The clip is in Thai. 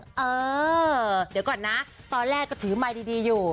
เออเดี๋ยวก่อนนะตอนแรกก็ถือไมค์ดีอยู่